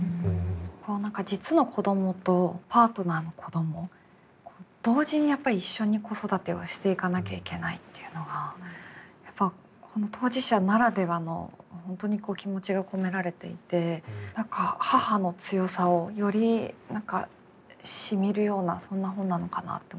実の子供とパートナーの子供同時にやっぱり一緒に子育てはしていかなきゃいけないっていうのがやっぱ当事者ならではの本当に気持ちが込められていて何か母の強さをより何かしみるようなそんな本なのかなと思いました。